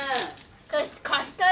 貸したよ。